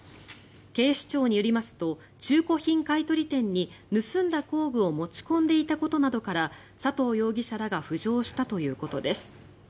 警視庁によりますと中古品買い取り店に盗んだ工具を持ち込んでいたことなどから佐藤容疑者らが浮上したということです。